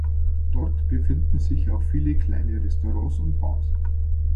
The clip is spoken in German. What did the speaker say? Dort befinden sich auch viele kleine Restaurants und Bars.